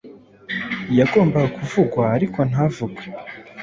yagombaga kuvugwa ariko ntavugwe.